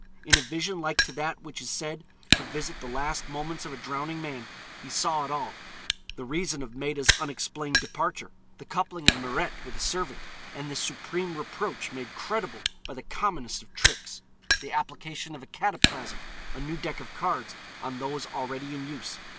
In a vision like to that which is said to visit the last moments of a drowning man, he saw it all: the reason of Maida's unexplained departure, the coupling of Mirette with a servant, and this supreme reproach made credible by the commonest of tricks, the application of a cataplasm, a new deck of cards on those already in use.